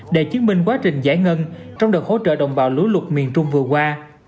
để chứng minh quá trình giải ngân trong đợt hỗ trợ đồng bào lũ lụt miền trung vừa qua